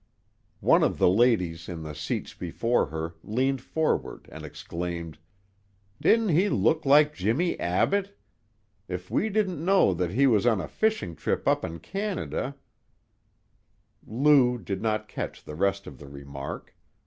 One of the ladies in the seats before her leaned forward and exclaimed: "Didn't he look like Jimmie Abbott? If we didn't know that he was on a fishing trip up in Canada " Lou did not catch the rest of the remark.